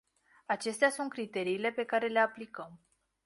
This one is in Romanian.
Acestea sunt criteriile pe care le aplicăm.